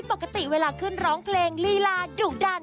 ปกติเวลาขึ้นร้องเพลงลีลาดุดัน